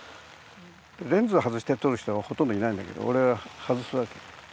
レンズを外して撮る人はほとんどいないんだけど俺は外すわけ。